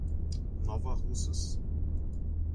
Nova Russas